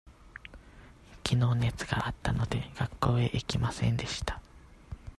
きのう熱があったので、学校へ行きませんでした。